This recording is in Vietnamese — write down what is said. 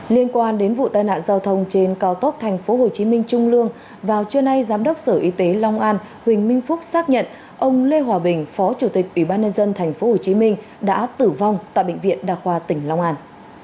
liên quan đến vụ tai nạn giao thông trên cao tốc tp hcm trung lương vào trưa nay giám đốc sở y tế long an huỳnh minh phúc xác nhận ông lê hòa bình phó chủ tịch ủy ban nhân dân tp hcm đã tử vong tại bệnh viện đa khoa tỉnh long an